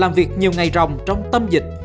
và làm việc nhiều ngày rồng trong tâm dịch